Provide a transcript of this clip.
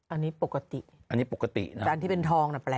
อันนี้ปกติอันที่เป็นทองน่ะแปลก